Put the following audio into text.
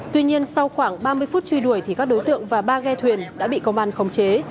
tuy nhiên sau khoảng ba mươi phút truy đuổi thì các đối tượng và ba ghe thuyền đã bị công an khống chế